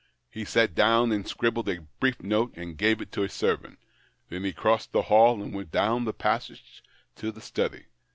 He sat down and scribbled a brief note, and gave it to a servant. Then he crossed the hall, and went down the passage to the study.